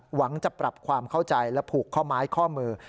หวังจะปรับความเข้าใจและผูกข้อไม้ข้อมือ